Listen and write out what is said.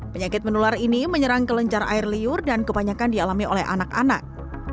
penyakit menular ini menyerang kelenjar air liur dan kebanyakan dialami oleh anak anak